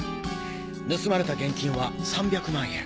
盗まれた現金は３００万円。